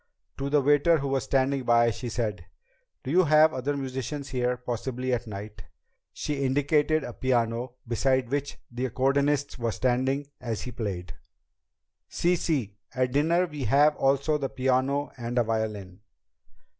To the waiter who was standing by, she said, "Do you have other musicians here, possibly at night?" She indicated a piano beside which the accordionist was standing as he played. "Sí, sí! At dinner we have also the piano and a violin."